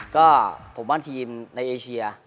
ก็ผมว่าทีมในเอเชีย